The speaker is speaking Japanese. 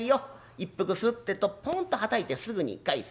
一服吸うってえとポンとはたいてすぐに返す。